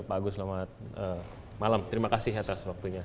pak agus selamat malam terima kasih atas waktunya